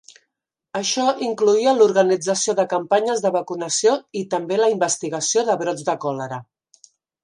Això incloïa l'organització de campanyes de vacunació i també la investigació de brots de còlera.